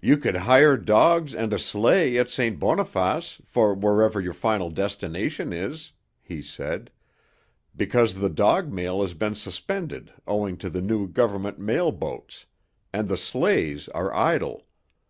"You could hire dogs and a sleigh at St. Boniface for wherever your final destination is," he said, "because the dog mail has been suspended owing to the new government mail boats, and the sleighs are idle.